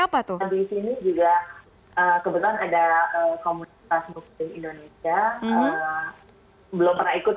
belum pernah ikut sih so far tapi ada hari jumat